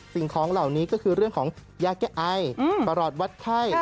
สิ่งของเหล่านี้ก็คือเรื่องของยาแก้ไอประหลอดวัดไข้